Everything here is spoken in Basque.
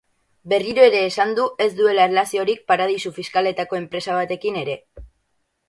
Berriro ere esan du ez duela erlaziorik paradisu fiskaletako enpresa batekin ere.